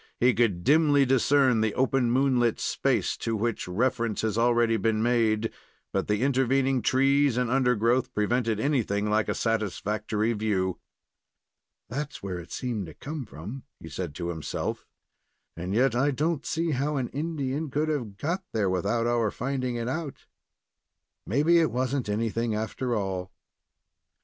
He could dimly discern the open moonlit space to which reference has already been made; but the intervening trees and undergrowth prevented anything like a satisfactory view. "There's where it seemed to come from," he said, to himself; "and yet I do n't see how an Indian could have got there without our finding it out. Maybe it was n't anything, after all."